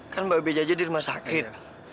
kan mbak beja aja di rumah sakit